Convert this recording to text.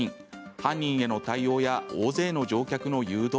犯人への対応や大勢の乗客の誘導。